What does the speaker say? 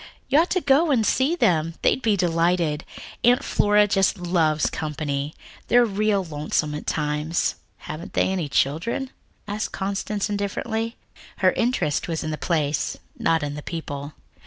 You ought to go and see them, they'd be delighted. Aunt Flora just loves company. They're real lonesome by times." "Haven't they any children?" asked Constance indifferently. Her interest was in the place, not in the people.